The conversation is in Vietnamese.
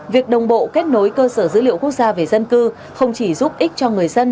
việc đồng bộ kết nối cơ sở dữ liệu quốc gia về dân cư không chỉ giúp ích cho người dân